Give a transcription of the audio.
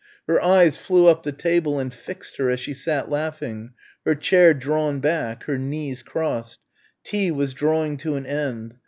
Her eyes flew up the table and fixed her as she sat laughing, her chair drawn back, her knees crossed tea was drawing to an end.